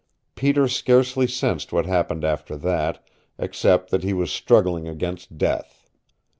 Peter scarcely sensed what happened after that, except that he was struggling against death.